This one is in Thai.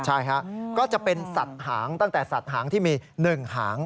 ใช่ฮะก็จะเป็นสัตว์หางตั้งแต่สัตว์หางที่มี๑หาง